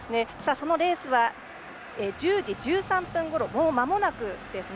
そのレースは１０時１３分ごろもうまもなくですね